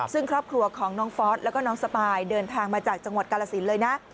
ซึ่งครอบครัวของน้องฟอสแล้วก็น้องสปายเดินทางมาจากจังหวัดกาลสินเลยนะ